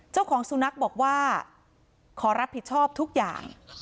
เจ้าของสุนัขบอกว่าขอรับผิดชอบทุกอย่าง